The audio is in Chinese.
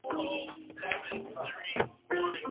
明治时代在此设立陆军省。